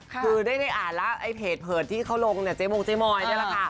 คือได้อ่านแล้วไอ้เผจที่เขาลงชกรนี่ละค่ะ